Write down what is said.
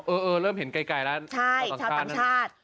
เออเริ่มเห็นไกลแล้วใช่ชาวต่างชาติ